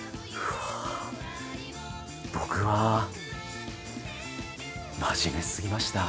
僕は真面目すぎました。